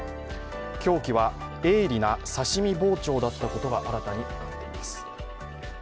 凶器は、鋭利な刺身包丁だったことが新たに分かっています。